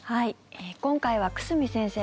今回は久住先生